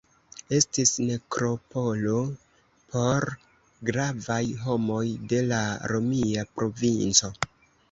Estis nekropolo por gravaj homoj de la romia provinco.